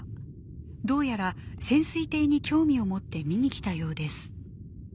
どうやら潜水艇に興味を持って見にきたようです。